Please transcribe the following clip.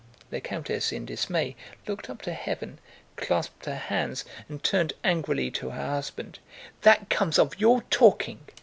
The countess, in dismay, looked up to heaven, clasped her hands, and turned angrily to her husband. "That comes of your talking!"